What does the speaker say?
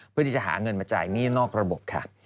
เพื่อที่จะหาเงินมาจ่ายหนี้นอกระบบค่ะ